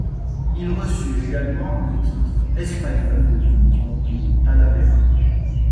Il reçut également le titre espagnol de vicomte de Talavera.